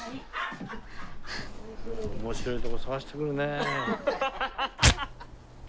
面白いとこ探してくるねえ。